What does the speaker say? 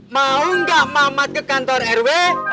mau nggak mamat ke kantor rw